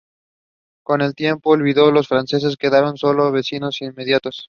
Con el tiempo, y olvidados los franceses, quedaron sólo los vecinos inmediatos.